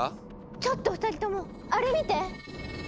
⁉ちょっと２人ともあれ見て！